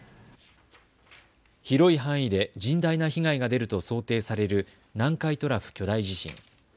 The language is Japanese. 広い範囲で甚大な被害が出ると想定される南海トラフ巨大地震。